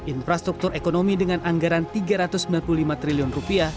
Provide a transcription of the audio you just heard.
infrastruktur ekonomi dengan anggaran rp tiga ratus sembilan puluh lima triliun rupiah